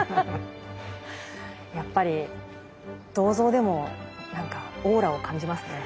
やっぱり銅像でも何かオーラを感じますね。